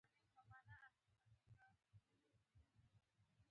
هوښیار انسان د ښه راتلونکې لپاره هڅه کوي.